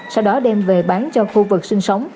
sau đó đem về bán cho khu vực sinh sống